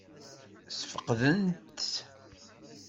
Ssfeqdent-tt?